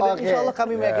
insya allah kami meyakinkan